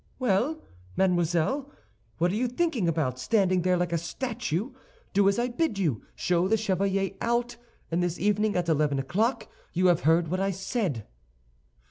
"Well, mademoiselle, what are you thinking about, standing there like a statue? Do as I bid you: show the chevalier out; and this evening at eleven o'clock—you have heard what I said."